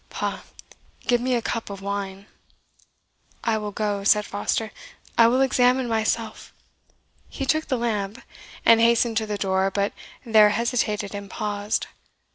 Pah! give me a cup of wine." "I will go," said Foster, "I will examine myself " He took the lamp, and hastened to the door, but there hesitated and paused.